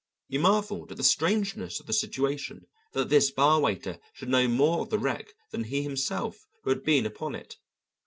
He marvelled at the strangeness of the situation, that this bar waiter should know more of the wreck than he himself who had been upon it.